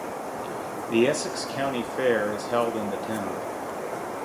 The Essex County Fair is held in the town.